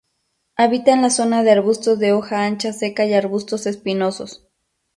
Habita en la zona de arbustos de hoja ancha seca y arbustos espinosos.